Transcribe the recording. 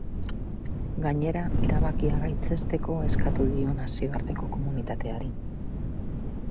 Gainera, erabakia gaitzesteko eskatu dio nazioarteko komunitateari.